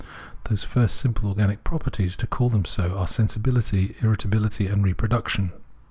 Those first simple organic properties, to call them so, are Sensibihty, Irritability, and Reproduction.